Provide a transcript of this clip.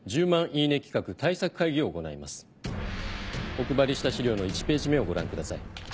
お配りした資料の１ページ目をご覧ください。